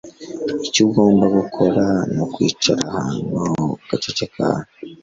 Icyo ugomba gukora nukwicara hano ugaceceka